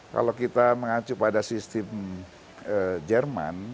kalau kita mengacu pada sistem jerman